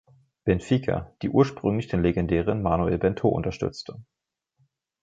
Benfica, die ursprünglich den legendären Manuel Bento unterstützte.